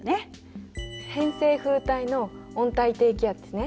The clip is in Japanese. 偏西風帯の温帯低気圧ね。